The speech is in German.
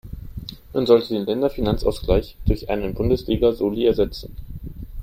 Man sollte den Länderfinanzausgleich durch einen Bundesliga-Soli ersetzen.